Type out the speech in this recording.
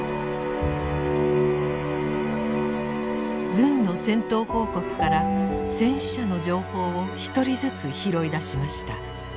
軍の戦闘報告から戦死者の情報を一人ずつ拾い出しました。